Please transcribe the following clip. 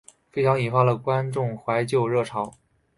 费翔引发了观众怀旧热潮。